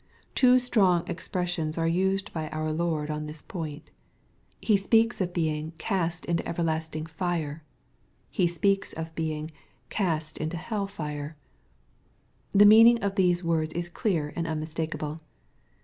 Two strong expressions are used by our Lord on this point. He speaks of being "cast into everlasting fire.*' He speaks ©f being " cast into hell fire." The meaning of these words is clear and unmistakeable.